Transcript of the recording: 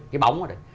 cái bóng ở đây